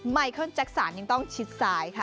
ไมเคริลจักรศาลยังต้องชิดสายคะ